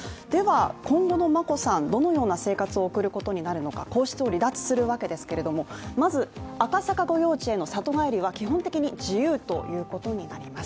今後の眞子さん、どのような生活を送ることになるのか、皇室を離脱するわけですけれども、赤坂御用地の里帰りは基本的には自由ということです。